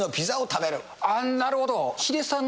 なるほど。